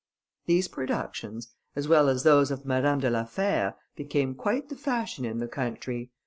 These productions, as well as those of Madame de la Fère, became quite the fashion in the country.